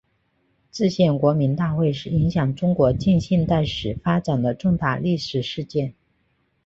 制宪国民大会是影响中国近现代史发展的重大历史事件。